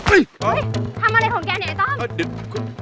อุ๊ยทำอะไรของแกเนี่ยต้อม